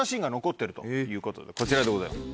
こちらでございます。